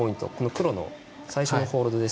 黒の最初のホールド